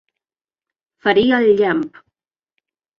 Ferir el llamp.